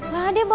gak ada mbak